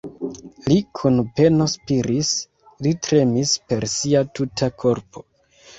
Li kun peno spiris, li tremis per sia tuta korpo.